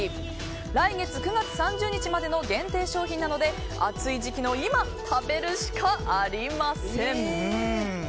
来月９月３０日までの限定商品なので暑い時期の今食べるしかありません。